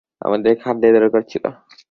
আমাদের খাদ্যের দরকার ছিল।